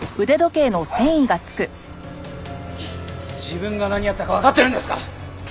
自分が何やったかわかってるんですか？